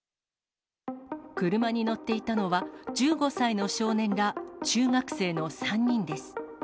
車に乗っていたのは、１５歳の少年ら中学生の３人です。